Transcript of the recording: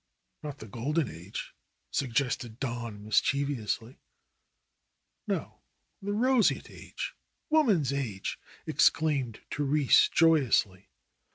"Not the golden age?" suggested Don mischievously. "No. The Roseate Age, woman's age!" exclaimed Therese joyously.